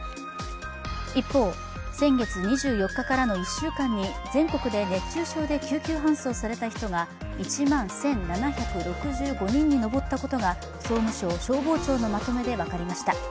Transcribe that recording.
一方、先月２４日からの１週間に全国で熱中症で救急搬送された人の数が１万１７６５人にのぼったことが総務省消防庁のまとめで分かりました。